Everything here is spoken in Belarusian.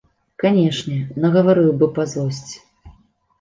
Канешне, нагаварыў бы па злосці.